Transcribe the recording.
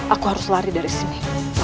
aku harus lari dari sini